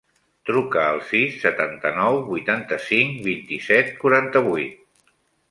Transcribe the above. Truca al sis, setanta-nou, vuitanta-cinc, vint-i-set, quaranta-vuit.